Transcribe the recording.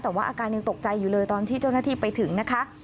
แต่ว่าอาการยังตกใจอยู่เลยตอนที่เจ้าหน้าที่ไปถึงนะคะ